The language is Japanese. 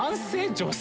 女性？